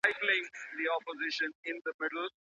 ولې ملي سوداګر کیمیاوي سره له ازبکستان څخه واردوي؟